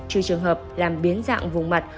trừ trường hợp làm biến dạng vùng mặt